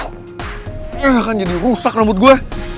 ko there akan jadi rusak rambut gue